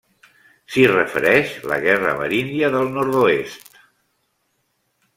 S'hi refereix la Guerra Ameríndia del Nord-oest.